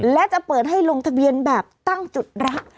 และจะเปิดให้ลงทะเบียนแบบตั้งจุดรัก